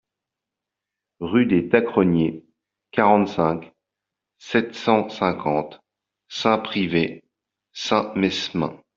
Rue des Tacreniers, quarante-cinq, sept cent cinquante Saint-Pryvé-Saint-Mesmin